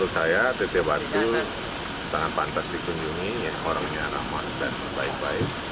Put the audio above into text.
saya teteh warti sangat pantas dikunjungi orangnya ramah dan baik baik